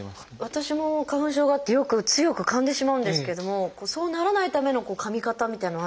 私も花粉症があってよく強くかんでしまうんですけどもそうならないためのかみ方みたいなのはあるんですか？